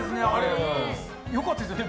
良かったですね。